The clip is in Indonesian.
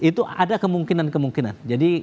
itu ada kemungkinan kemungkinan jadi